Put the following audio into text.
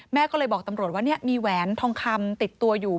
แม่ก็เลยบอกตำรวจว่ามีแหวนทองคำติดตัวอยู่